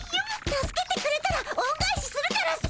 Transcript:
助けてくれたらおんがえしするからさ。